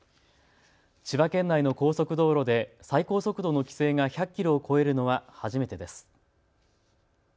千葉県内の高速道路で最高速度の規制が１００キロを超えるのは初めてです。